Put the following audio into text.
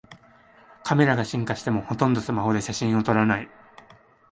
カメラが進化してもほとんどスマホで写真を撮らない